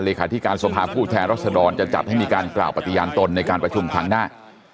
ที่การสภาพผู้แทนรัศดรจะจัดให้มีการกล่าวปฏิญาณตนในการประชุมครั้งหน้า